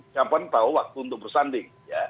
mbak puan tahu waktu untuk bersanding